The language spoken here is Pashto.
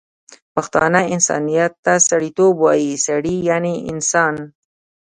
پښتانه انسانیت ته سړيتوب وايي، سړی یعنی انسان